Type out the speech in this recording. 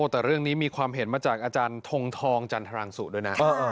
แต่เรื่องนี้มีความเห็นมาจากอาจารย์ทงทองจันทรังสุด้วยนะ